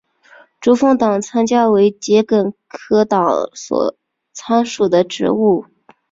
珠峰党参为桔梗科党参属的植物。